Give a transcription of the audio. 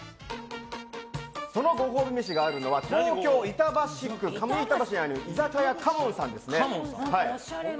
そのご褒美飯があるのは東京・板橋区上板橋にある居酒屋花門さんですね。